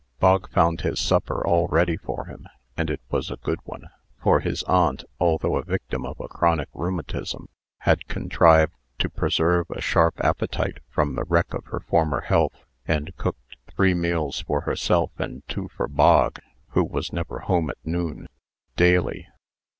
Bog found his supper all ready for him, and it was a good one. For his aunt, although the victim of a chronic rheumatism, had contrived to preserve a sharp appetite from the wreck of her former health, and cooked three meals for herself and two for Bog (who was never home at noon) daily.